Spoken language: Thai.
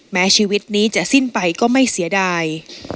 แม้ชีวิตนี้จะสิ้นไปก็ไม่เสียดาย